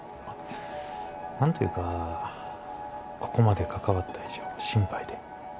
あっ何と言うかここまで関わった以上心配で。